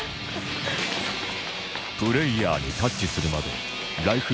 プレイヤーにタッチするまでライフ